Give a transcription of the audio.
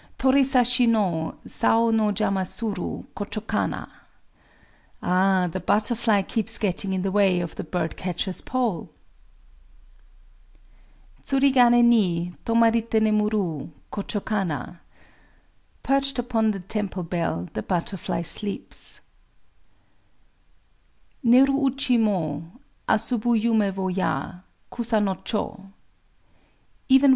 _] Torisashi no Sao no jama suru Kochō kana! [Ah, the butterfly keeps getting in the way of the bird catcher's pole!] Tsurigané ni Tomarité nemuru Kochō kana! [Perched upon the temple bell, the butterfly sleeps:] Néru uchi mo Asobu yumé wo ya— Kusa no chō!